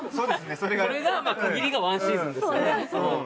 それが区切りがワンシーズンですよね